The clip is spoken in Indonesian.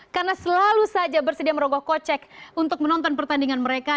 karena selalu saja bersedia merogoh kocek untuk menonton pertandingan mereka